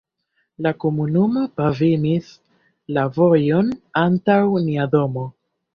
la komunumo pavimis la vojon antaŭ nia domo.